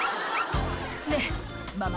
「ねぇママ